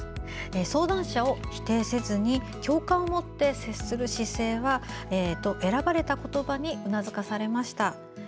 相談者を否定せずに共感を持って接する姿勢と選ばれた言葉にうなずかされました。